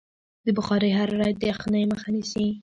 د بخارۍ حرارت د یخنۍ مخه نیسي.